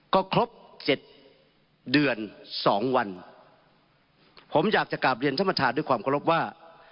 ก็ครบเจ็ดเดือนสองวันผมอยากจะกลับเรียนท่านประธานด้วยความเคารพว่า